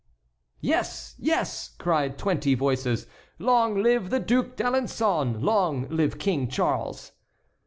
"Yes! yes!" cried twenty voices. "Long live the Duc d'Alençon! Long live King Charles!"